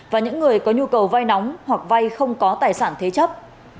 và những người có nhu cầu vai nóng hoặc vai không có tài sản thế chấp